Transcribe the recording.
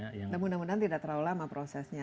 nah mudah mudahan tidak terlalu lama prosesnya